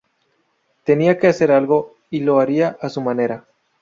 Tenía que hacer algo, y lo haría a su manera.